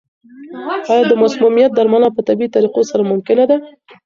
آیا د مسمومیت درملنه په طبیعي طریقو سره ممکنه ده؟